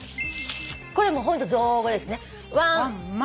これホント造語ですね。